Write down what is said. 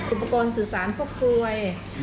อุปกรณ์สื่อสารพวกพรวย